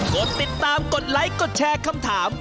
กดติดตามกดไลค์กดแชร์คำถาม